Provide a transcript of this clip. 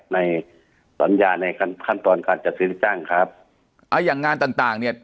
ในสัญญาในขั้นตอนการจัดซื้อจ้างครับอ่าอย่างงานต่างต่างเนี่ย